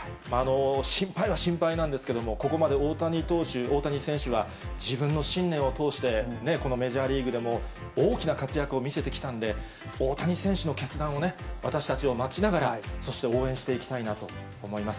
心配は心配なんですけども、ここまで大谷投手、大谷選手が、自分の信念を通して、このメジャーリーグでも大きな活躍を見せてきたんで、大谷選手の決断をね、私たちも待ちながらそして応援していきたいなと思います。